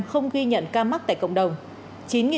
không ghi nhận ca mắc tại cộng đồng